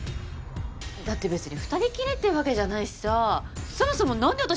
だって別に２人きりってわけじゃないしさそもそもなんで私